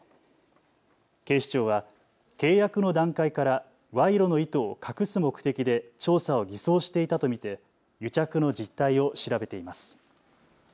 警視庁は契約の段階から賄賂の意図を隠す目的で調査を偽装していたと見て癒着の実態を調べています。